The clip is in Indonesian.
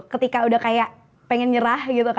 ketika udah kayak pengen nyerah gitu